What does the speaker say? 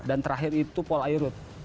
dan terakhir itu pol airut